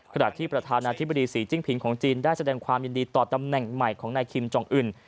ขณะที่ประธานาธิบดีศรีจิ้งผิงของจีนได้แสดงความยินดีต่อตำแหน่งใหม่ของนายคิมจองอื่น